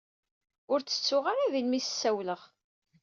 Ur tt-tuɣ ara din mi s-ssawleɣ.